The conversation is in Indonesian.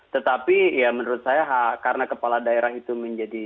tetapi ya menurut saya karena kepala daerah itu menjadi